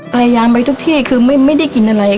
พยายามไปทุกที่คือไม่ได้กินอะไร